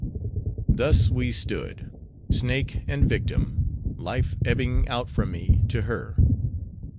Thus we stood:—snake and victim: life ebbing out from me, to her.